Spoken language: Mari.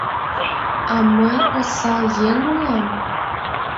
— А мый осал еҥ улам?